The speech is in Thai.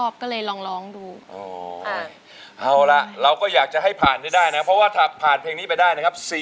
เพลงนี่มันก็เก่าทีเดียวนะ๑๐ปีได้